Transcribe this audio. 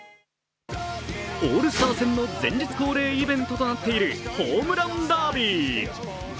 オールスター戦の前日恒例イベントとなっているホームランダービー。